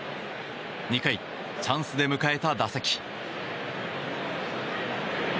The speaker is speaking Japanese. ２回、チャンスで迎えた打席。